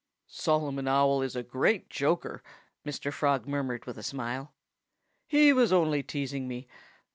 "Solomon Owl is a great joker," Mr. Frog murmured with a smile. "He was only teasing me.